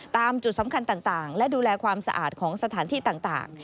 ตามจุดสำคัญต่างและดูแลความสะอาดของสถานที่ต่าง